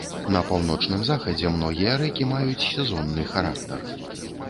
На паўночным захадзе многія рэкі маюць сезонны характар.